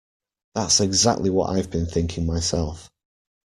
That's exactly what I've been thinking myself.